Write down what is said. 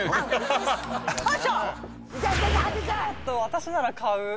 私なら買う。